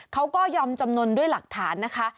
เขาก็ยอมจำนวนด้วยหลักฐานนะคะ